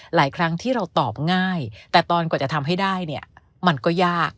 หลายครั้งที่เราตอบง่ายแต่ตอนกว่าจะทำให้ได้เนี่ยมันก็ยาก